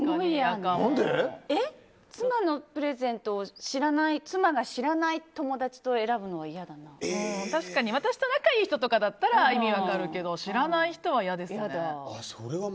妻のプレゼント妻が知らない友達と選ぶのは私と仲がいい人だったら意味分かるけど知らない人は嫌ですね。